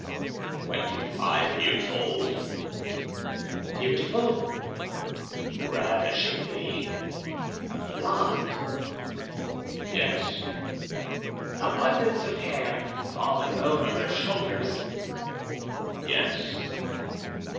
"Twenty five years old." "Beautiful?" "Ravishingly." "Blond?" "Yes." "Abundance of hair—falling over her shoulders?" "Yes."